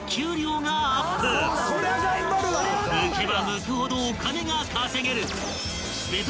［むけばむくほどお金が稼げる］